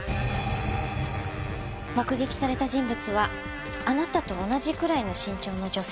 目撃された人物はあなたと同じくらいの身長の女性だったそうです。